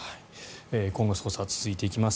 今後捜査は続いていきます。